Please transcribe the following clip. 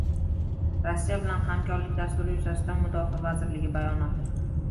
Rossiya bilan hamkorlik dasturi yuzasidan Mudofaa vazirligi bayonoti